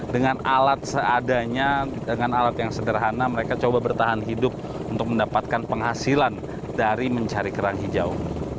dengan alat seadanya dengan alat yang sederhana mereka coba bertahan hidup untuk mendapatkan penghasilan dari mencari kerang hijau